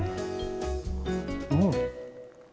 うん！